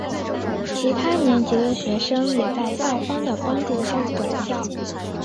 其他年级的学生也在校方帮助下转校。